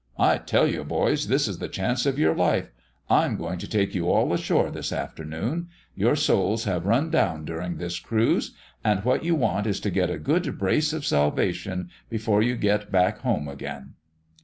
I tell you, boys, this is the chance of your life. I'm going to take you all ashore this afternoon. Your souls have run down during this cruise, and what you want is to get a good brace of salvation before you get back home again."